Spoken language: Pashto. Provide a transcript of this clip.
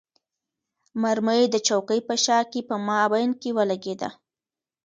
مرمۍ د چوکۍ په شا کې په مابین کې ولګېده.